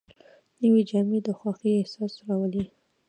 نوې جامې د خوښۍ احساس راولي